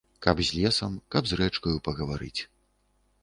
Каб з лесам, каб з рэчкаю пагаварыць.